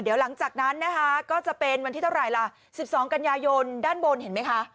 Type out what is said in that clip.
เดี๋ยวหลังจากนั้นนะคะก็จะเป็นวันที่เท่าไหร่ล่ะ๑๒กันยายนด้านบนเห็นไหมคะ